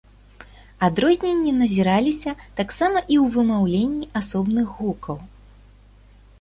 Адрозненні назіраліся таксама і ў вымаўленні асобных гукаў.